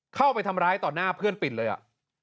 เข้าไปทำร้ายต่อหน้าเพื่อนปิดเลยอ่ะ